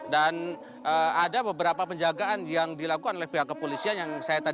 dan ada beberapa penjagaan yang dilakukan oleh pihak kepolisian yang saya tadi